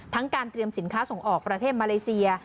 การเตรียมสินค้าส่งออกประเทศมาเลเซีย